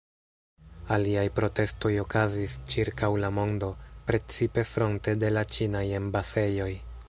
Aliaj protestoj okazis ĉirkaŭ la mondo, precipe fronte de la ĉinaj embasejoj.